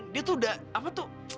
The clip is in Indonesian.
dia tuh udah apa tuh